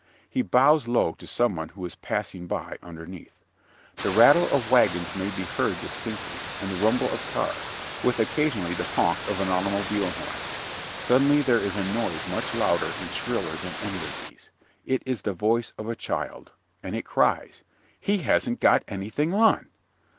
He bows low to some one who is passing by underneath. The rattle of wagons may be heard distinctly, and the rumble of cars, with occasionally the honk of an automobile horn. Suddenly there is a noise much louder and shriller than any of these. It is the voice of a child, and it cries: "He hasn't got anything on!"